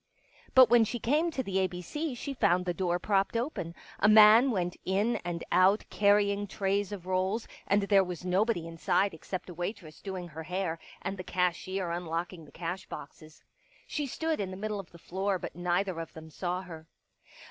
But when she came to the A B C she found the door propped open ; a man went in and out carrying trays of rolls, and there was nobody inside except a M i6i Pictures waitress doing her hair and the cashier unlocking cash boxes. She stood in the middle of the floor but neither of them saw her.